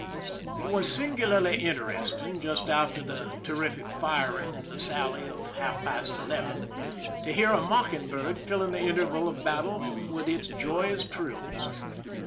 It was singularly interesting, just after the ter rific firing in the sally of half past eleven, to hear a mocking bird filling the interval of battle with its joyous trills.